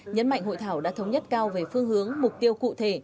nhấn mạnh hội thảo đã thống nhất cao về phương hướng mục tiêu cụ thể